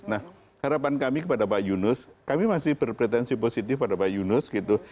nah harapan kami kepada pak yunus kami masih berpretensi positif pada pak yunus gitu